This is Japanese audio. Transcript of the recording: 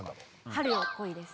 「春よ、来い」です